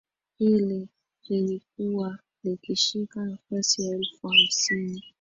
hili lilikuwa likishika nafasi ya elfu hamsini